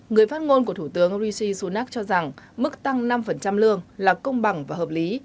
người phát ngôn của thủ tướng rishi sunak cho rằng mức tăng năm lương là công bằng và hợp lý